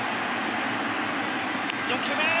４球目！